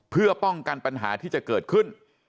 เพื่อป้องกันปัญหาที่จะเกิดขึ้น